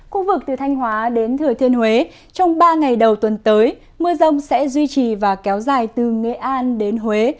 khu vực từ thanh hóa đến thừa thiên huế trong ba ngày đầu tuần tới mưa rông sẽ duy trì và kéo dài từ nghệ an đến huế